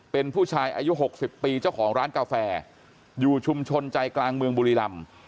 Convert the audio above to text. เป็นผู้ชายอายุ๖๐ปีเจ้าของร้านกาแฟอยู่ชุมชนใจกลางเมืองบุรีรำ